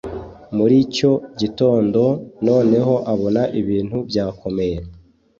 muricyo gitondo, noneho abona ibintu byakomeye